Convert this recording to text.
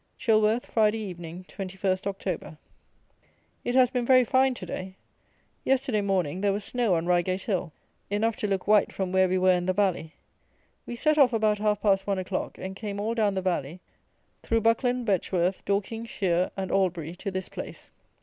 Chilworth, Friday Evening, 21st Oct. It has been very fine to day. Yesterday morning there was snow on Reigate Hill, enough to look white from where we were in the valley. We set off about half past one o'clock, and came all down the valley, through Buckland, Betchworth, Dorking, Sheer and Aldbury, to this place.